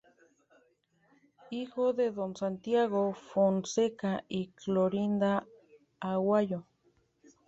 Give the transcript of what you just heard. Hijo de don Santiago Fonseca y Clorinda Aguayo.